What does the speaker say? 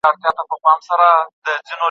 د غوايی چي به یې ږغ وو اورېدلی